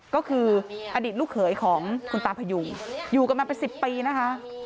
ก็คืออดีตลูกเขยของคุณตาพยุงอยู่กันมาเป็น๑๐ปีนะคะ